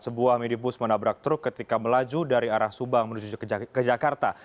sebuah minibus menabrak truk ketika melaju dari arah subang menuju ke jakarta